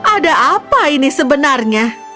ada apa ini sebenarnya